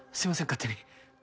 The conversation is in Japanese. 勝手に。